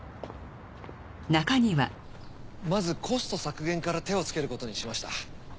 まずコスト削減から手をつけることにしました。